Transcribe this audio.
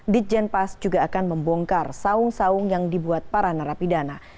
ditjenpas juga akan membongkar saung saung yang dibuat para narapidana